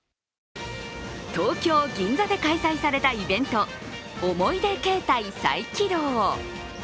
東京・銀座で開催されたイベント、おもいでケータイ再起動。